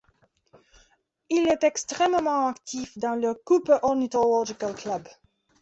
Il est extrêmement actifs dans le Cooper Ornithological Club.